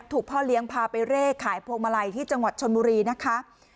พ่อเลี้ยงพาไปเร่ขายพวงมาลัยที่จังหวัดชนบุรีนะคะ